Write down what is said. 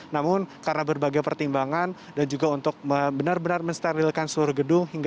namun karena berbagai pertimbangan dan juga untuk benar benar mensterilkan seluruh gedung